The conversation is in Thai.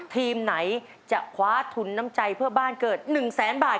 ทีมไหนจะคว้าทุนน้ำใจเพื่อบ้านเกิด๑แสนบาท